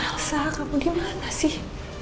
elsa kamu dimana sih